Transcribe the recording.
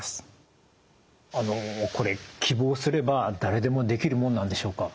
あのこれ希望すれば誰でもできるものなんでしょうか？